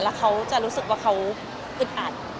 แล้วเขาจะรู้สึกว่าเขาอึดอัด